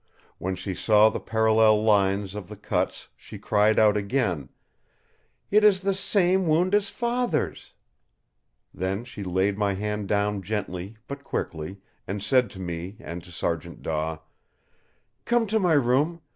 When she saw the parallel lines of the cuts she cried out again: "It is the same wound as Father's!" Then she laid my hand down gently but quickly, and said to me and to Sergeant Daw: "Come to my room!